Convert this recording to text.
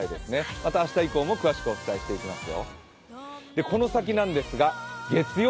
また明日以降も詳しくお伝えしていきますよ。